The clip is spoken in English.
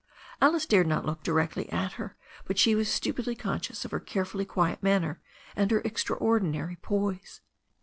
Alice dared not look directly at her, but she was stupidly conscious of her care fully quiet manner and her extraordinary poise.